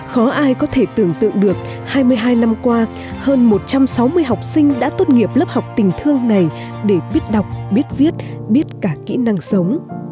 khó ai có thể tưởng tượng được hai mươi hai năm qua hơn một trăm sáu mươi học sinh đã tốt nghiệp lớp học tình thương này để biết đọc biết viết biết cả kỹ năng sống